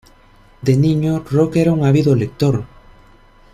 De niño, Rock era un ávido lector.